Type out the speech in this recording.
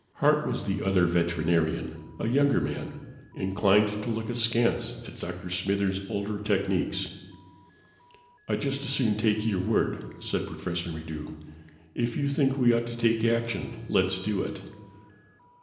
Hart was the other veterinarian, a younger man, inclined to look askance at Dr. Smithers' older techniques. "I'd just as soon take your word," said Professor Maddox. "If you think we ought to take action, let's do it."